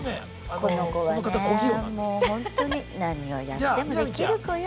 この子はねもうほんとに何をやってもできる子よ。